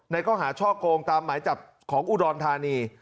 ข้อหาช่อโกงตามหมายจับของอุดรธานี